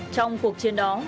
trong cuộc chiến đó